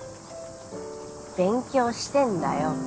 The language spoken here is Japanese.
勉強してんだよ。